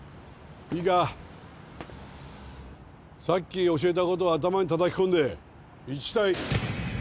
さっき教えたことを頭にたたき込んで「１対」